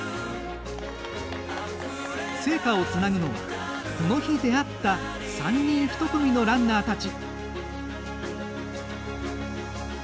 聖火をつなぐのはこの日、出会った３人１組のランナーたち。